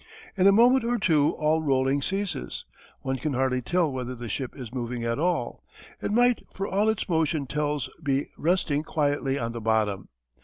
In a moment or two all rolling ceases. One can hardly tell whether the ship is moving at all it might for all its motion tells be resting quietly on the bottom.